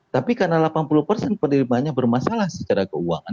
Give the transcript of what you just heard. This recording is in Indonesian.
tapi karena delapan puluh penerimaannya bermasalah secara keuangan